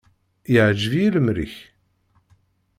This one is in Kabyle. Iεǧeb-iyi lemri-k.